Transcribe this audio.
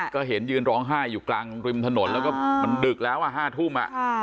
ก็เห็นยืนร้องไห้อยู่กลางริมถนนแล้วก็มันดึกแล้ว๕ทุ่ม